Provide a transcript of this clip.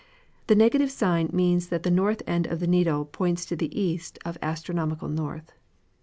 150 * The negative sign means that the north end of the needle points to the east of astronomical north.